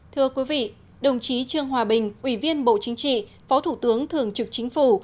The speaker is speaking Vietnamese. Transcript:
thưa quý vị đồng chí trương hòa bình ủy viên bộ chính trị phó thủ tướng thường trực chính phủ